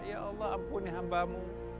ya allah ampuni hambamu